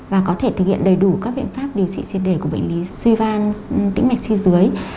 và có thể thực hiện đầy đủ các biện pháp điều trị siết để của bệnh lý suy van tĩnh mạch si dưới